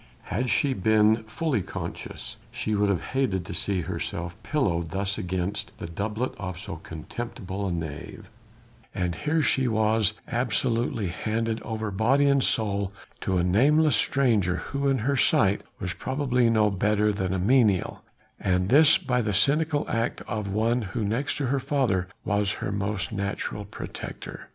Had she been fully conscious she would have hated to see herself pillowed thus against the doublet of so contemptible a knave; and here she was absolutely handed over body and soul to a nameless stranger, who in her sight, was probably no better than a menial and this by the cynical act of one who next to her father was her most natural protector.